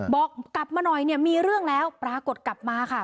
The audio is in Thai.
บอกกลับมาหน่อยเนี่ยมีเรื่องแล้วปรากฏกลับมาค่ะ